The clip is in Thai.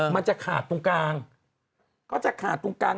มันจะขาดตรงกลาง